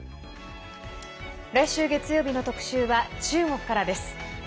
来週月曜日の特集は中国からです。